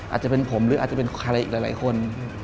อาจจะเป็นผมหรืออาจจะเป็นใครอีกหลายคน